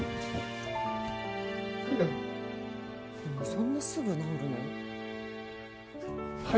そんなすぐ直るの？